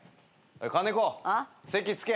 金子席着け。